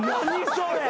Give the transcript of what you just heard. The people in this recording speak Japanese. それ。